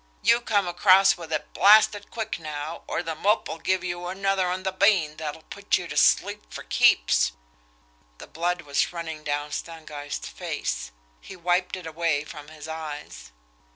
You come across with it blasted quick now, or The Mope'll give you another on the bean that'll put you to sleep fer keeps!" The blood was running down Stangeist's face. He wiped it away from his eyes.